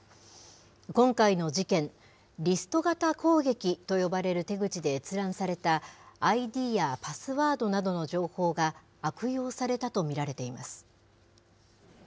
今回の事件、リスト型攻撃と呼ばれる手口で閲覧されたＩＤやパスワードなどの情報が、悪用されたと見られています。